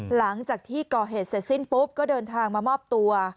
หลังจากที่ก่อเหตุเสร็จสิ้นปุ๊บก็เดินทางมามอบตัว